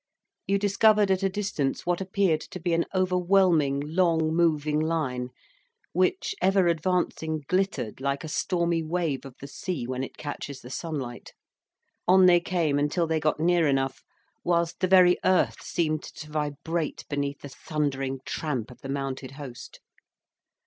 You discovered at a distance what appeared to be an overwhelming, long moving line, which, ever advancing, glittered like a stormy wave of the sea when it catches the sunlight. On they came until they got near enough, whilst the very earth seemed to vibrate beneath the thundering tramp of the mounted host.